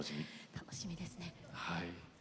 楽しみですね。